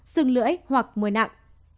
sưng lưỡi hoặc môi nặng